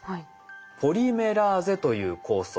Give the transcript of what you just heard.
ポリメラーゼという酵素。